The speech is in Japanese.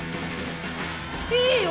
いいよ！